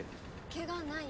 けがない？